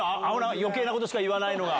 余計なことしか言わないのが。